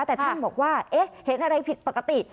แต่ช่างบอกว่าเอ๊ะเห็นอะไรผิดปกติ